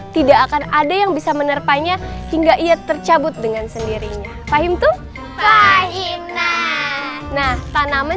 tidak akan ada yang bisa menerpanya hingga ia tercabut dengan sendirinya pahim tuh nah tanaman